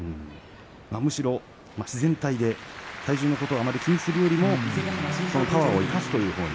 むしろ自然体で体重のことを気にするよりもパワーを生かすということ。